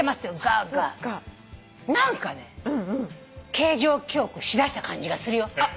何かね形状記憶しだした感じがするよ。